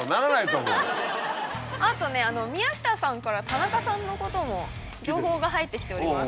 あとね宮下さんから田中さんのことも情報が入ってきております。